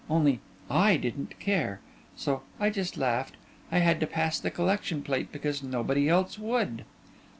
Only I didn't care. So I just laughed. I had to pass the collection plate because nobody else would.